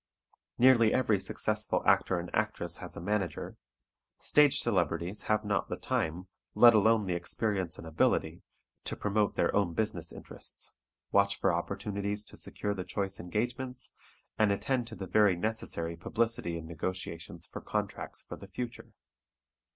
Nearly every successful actor and actress has a manager. Stage celebrities have not the time, let alone the experience and ability, to promote their own business interests, watch for opportunities to secure the choice engagements, and attend to the very necessary publicity and negotiations for contracts for the future.